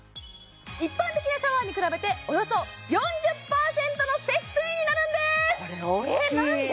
一般的なシャワーに比べておよそ４０％の節水になるんですこれ大きいなんで？